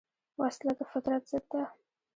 وسله د فطرت ضد ده